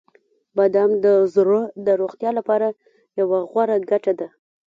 • بادام د زړه د روغتیا لپاره یوه غوره ګټه ده.